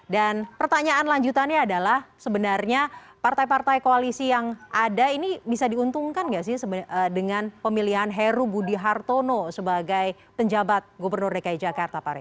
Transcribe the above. dan pertanyaan lanjutannya adalah sebenarnya partai partai koalisi yang ada ini bisa diuntungkan nggak sih dengan pemilihan heru budi hartono sebagai penjabat gubernur dki jakarta pak rai